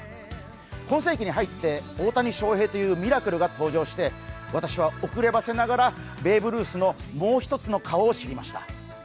今世紀に入って大谷翔平というミラクルが登場して私は遅ればせながらベーブ・ルースのもう一つの顔を知りました。